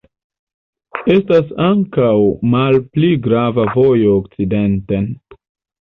Estas ankaŭ malpli grava vojo okcidenten.